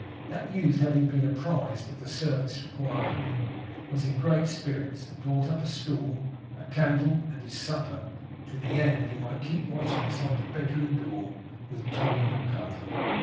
That youth having been apprised of the service required of him, was in great spirits, and brought up a stool, a candle, and his supper; to the end that he might keep watch outside the bedroom door with tolerable comfort.